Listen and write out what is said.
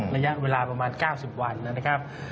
ระยะเวลาประมาณ๙๐วันนะครับ